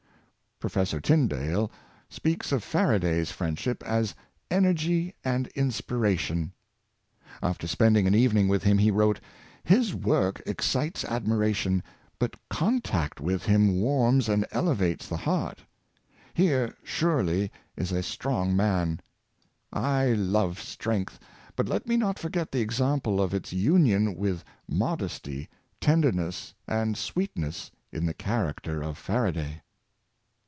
Professor Tyndall speaks of Faraday's friendship as " energy and inspiration." After spending an evening Influence of Gentle Natures. 133 with him, he wrote: "His work excites admiration, but contact with him warms and elevates the heart. Here, surely, is a strong man. I love strength, but let me not forget the example of its union with mod esty, tenderness, and sweetness, in the character of Faraday."